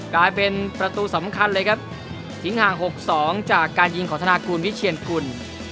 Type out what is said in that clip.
กลายเป็นประตูสำคัญเลยครับทิ้งห่าง๖๒จากการยิงของธนากูลวิเชียนกุล